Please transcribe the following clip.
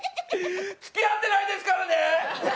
つきあってないですからね！